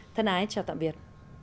thân ái chào tạm biệt